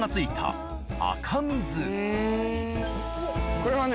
これはね。